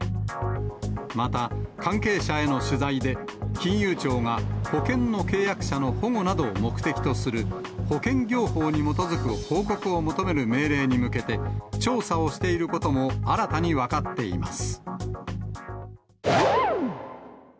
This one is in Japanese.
また、関係者への取材で、金融庁が、保険の契約者の保護などを目的とする保険業法に基づく報告を求める命令に向けて、調査をしていることも新たに分かっています。